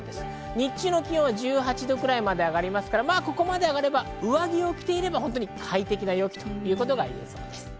日中の気温は１８度くらいまで上がりますから、ここまで上がれば上着を着ていれば快適な陽気といえます。